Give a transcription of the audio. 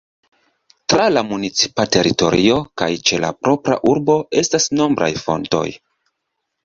Tra la municipa teritorio kaj ĉe la propra urbo estas nombraj fontoj.